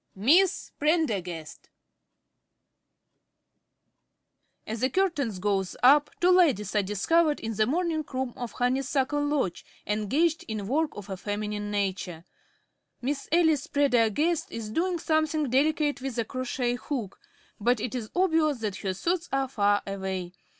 "MISS PRENDERGAST" _As the curtain goes up two ladies are discovered in the morning room of Honeysuckle Lodge engaged in work of a feminine nature._ Miss Alice Prendergast _is doing something delicate with a crochet hook, but it is obvious that her thoughts are far away.